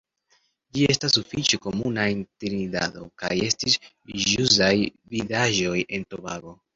Ĝi estas sufiĉe komuna en Trinidado, kaj estis ĵusaj vidaĵoj en Tobago.